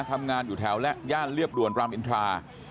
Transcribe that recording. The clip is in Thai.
ทำงานอยู่แถวและย่านเรียบด่วนรามอินทรา